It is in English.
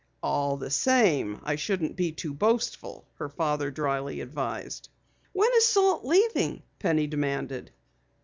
"All the same, I shouldn't be too boastful," her father advised dryly. "When is Salt leaving?" Penny demanded.